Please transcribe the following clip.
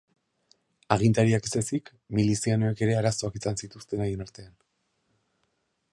Agintariek ez ezik, milizianoek ere arazoak izan zituzten haien artean.